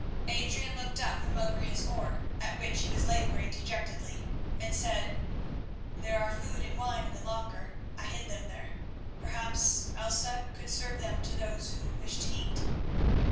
Adrian looked up from over his oar, at which he was labouring dejectedly, and said: "There are food and wine in the locker. I hid them there. Perhaps Elsa could serve them to those who wish to eat."